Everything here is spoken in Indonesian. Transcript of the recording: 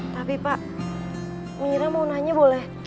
tapi pak mira mau nanya boleh